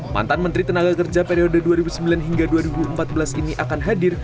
mantan menteri tenaga kerja periode dua ribu sembilan hingga dua ribu empat belas ini akan hadir